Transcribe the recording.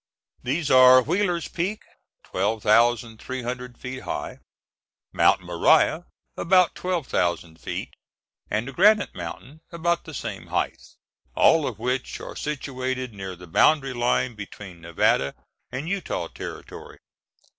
These are Wheeler's Peak, twelve thousand three hundred feet high, Mount Moriah, about twelve thousand feet, and Granite Mountain, about the same height, all of which are situated near the boundary line between Nevada and Utah Territory.